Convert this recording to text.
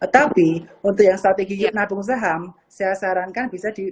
tapi untuk yang strategi nabung saham saya sarankan bisa di